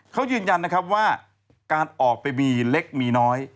เขายืนยันนะครับว่าการออกไปมีเล็กมีน้อย